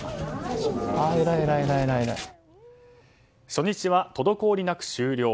初日は滞りなく終了。